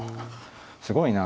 すごいな。